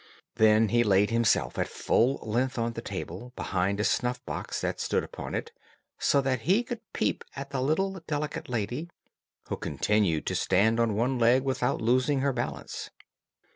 Then he laid himself at full length on the table behind a snuff box that stood upon it, so that he could peep at the little delicate lady, who continued to stand on one leg without losing her balance.